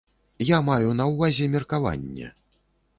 Я маю на ўвазе меркаванне.